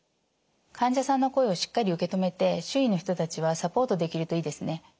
患者さんの声をしっかり受け止めて周囲の人たちはサポートできるといいですね。